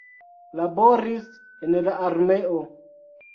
Laboris en la armeo.